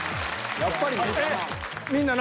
「やっぱりね」。